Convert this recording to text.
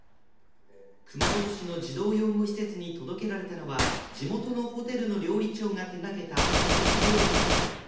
熊本市の児童養護施設に届けられたのは地元のホテルの料理長が手がけたお節料理です。